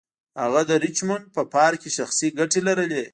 هغه د ریچمونډ په پارک کې شخصي ګټې لرلې.